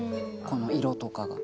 この色とかが。